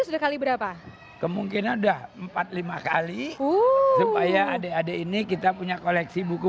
sudah kali berapa kemungkinan udah empat puluh lima kali uh supaya adek adek ini kita punya koleksi buku